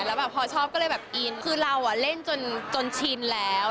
แล้วแบบพอชอบก็เลยแบบอินคือเราเล่นจนชินแล้ว